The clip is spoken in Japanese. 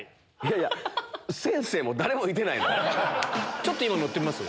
ちょっと今乗ってみます？